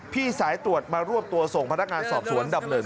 สายตรวจมารวบตัวส่งพนักงานสอบสวนดำเนิน